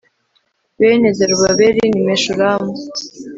bene zerubabeli ni meshulamu